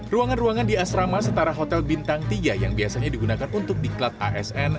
ruangan ruangan di asrama setara hotel bintang tiga yang biasanya digunakan untuk diklat asn